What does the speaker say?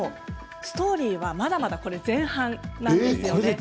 ストーリーはまだまだ、これは前半なんです。